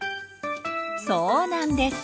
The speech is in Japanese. そうなんです。